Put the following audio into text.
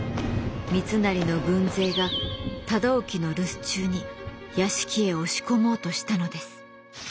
三成の軍勢が忠興の留守中に屋敷へ押し込もうとしたのです。